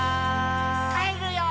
「帰るよー」